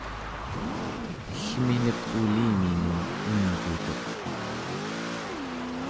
ellminek uliminun imgutuq